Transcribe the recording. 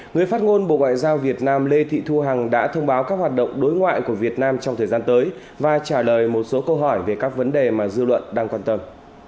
người phát ngôn bộ ngoại giao việt nam lê thị thu hằng đã thông báo các hoạt động đối ngoại của việt nam trong thời gian tới và trả lời một số câu hỏi về các vấn đề mà dư luận đang quan tâm